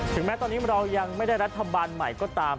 แม้ตอนนี้เรายังไม่ได้รัฐบาลใหม่ก็ตาม